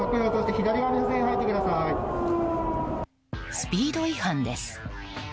スピード違反です。